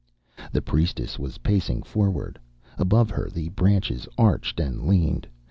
The priestess was pacing forward. Above her the branches arched and leaned.